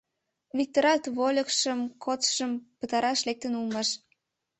Виктырат вольыкшым, кодшыжым, пытараш лектын улмаш.